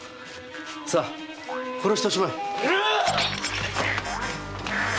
さあ殺しておしまい！